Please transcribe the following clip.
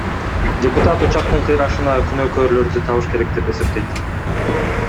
Депутат учактын кыйрашына күнөөкөрлөрдү табыш керек деп эсептейт.